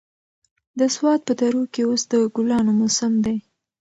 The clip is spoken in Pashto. د سوات په درو کې اوس د ګلانو موسم دی.